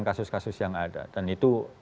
kasus kasus yang ada dan itu